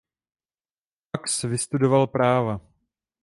Max vystudoval práva.